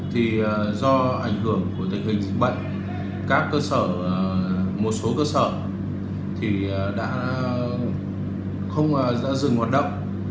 thì do ảnh hưởng của tình hình dịch bệnh một số cơ sở thì đã dừng hoạt động